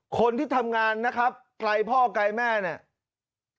คนที่ทำงานนะครับไกลพ่อไกลแม่เนี่ย